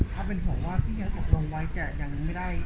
ถ้าเป็นห่วงว่าพี่ยังตกลงไว้จะยังไม่ได้